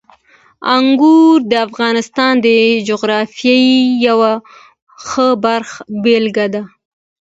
انګور د افغانستان د جغرافیې یوه ښه بېلګه ده.